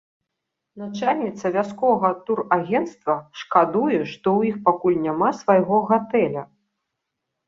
Начальніца вясковага турагенцтва шкадуе, што ў іх пакуль няма свайго гатэля.